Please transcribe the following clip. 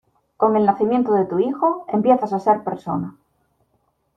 con el nacimiento de tu hijo, empiezas a ser persona